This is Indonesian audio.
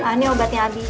nah ini obatnya abi